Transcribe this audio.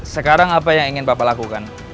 sekarang apa yang ingin bapak lakukan